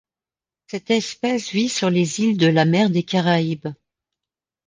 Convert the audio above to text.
Cette espèce vit sur les îles de la mer des Caraïbes.